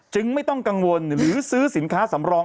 ไม่ต้องกังวลหรือซื้อสินค้าสำรอง